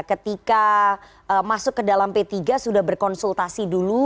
ketika masuk ke dalam p tiga sudah berkonsultasi dulu